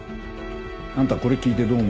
あんたこれ聞いてどう思うの？